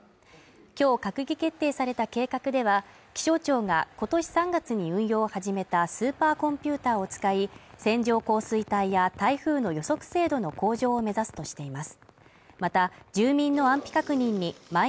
きょう閣議決定された計画では気象庁が今年３月に運用を始めたスーパーコンピューターを使い線状降水帯や台風の予測精度の向上を目指すとしています